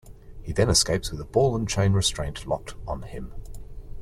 He then escapes with a ball-and-chain restraint locked on him.